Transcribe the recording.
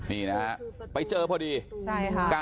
นี่นะฮะไปเจอพอดีใช่ค่ะ